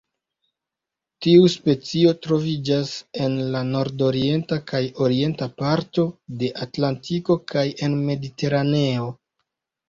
Tiu specio troviĝas en la nordorienta kaj orienta parto de Atlantiko kaj en Mediteraneo.